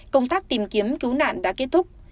công tác tìm kiếm cứu nạn đã kết thúc